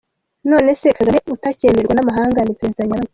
None se, Kagame utacyemerwa n’amahanga, ni President nyabaki???!!!